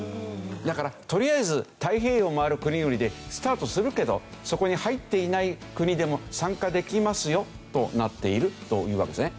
だからとりあえず太平洋を回る国々でスタートするけどそこに入っていない国でも参加できますよとなっているというわけですね。